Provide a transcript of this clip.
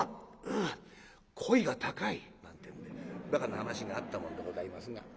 「うんこいが高い」なんてんでバカな噺があったもんでございますが。